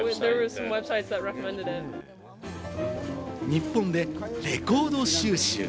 日本でレコード収集。